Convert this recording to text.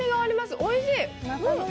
おいしい。